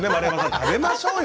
食べましょうよ。